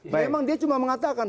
memang dia cuma mengatakan